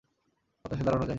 বাতাসে দাঁড়ানো দায়।